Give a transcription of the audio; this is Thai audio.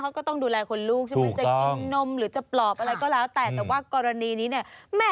เราไปดูว่าเมื่อคุณแม่ร้องไห้เพราะหิวนม